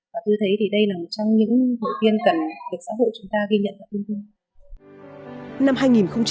và tôi thấy đây là một trong những hội viên cần được xã hội chúng ta ghi nhận và tin tưởng